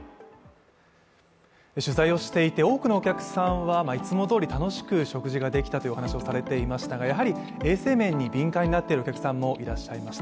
取材をしていて多くのお客さんはいつもどおり楽しく食事ができたというお話をされていましたが、やはり、衛生面に敏感になっているお客さんもいらっしゃいました。